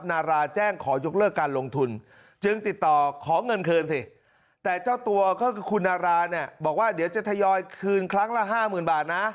คุณนาราแจ้งขอยกเลิกการลงทุนจึงติดต่อของเงินคืนสิแต่ขนราจะถยอยคืนครั้งละ๕๐๐๐บาท